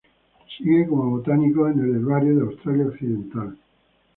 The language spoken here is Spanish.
Sigue como botánico en el Herbario de Australia Occidental.